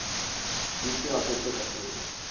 کی اسی عادت سے نفرت ہے